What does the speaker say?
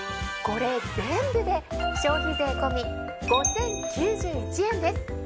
これ全部で消費税込み５，０９１円です。